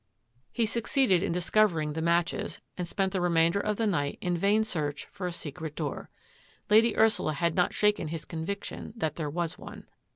He succeeded in discovering k ACCUSATIONS 81 the matches and spent the remainder of the night in vain search for a secret door. Lady Ursula had not shaken his conviction that there was one.